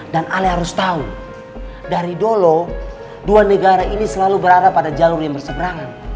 dan alaik harus tahu dari dulu dua negara ini selalu berada pada jalur yang berseberangan